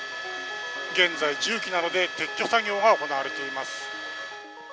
現在、重機などで撤去作業が行われています。